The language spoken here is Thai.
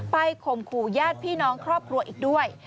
ข่มขู่ญาติพี่น้องครอบครัวอีกด้วย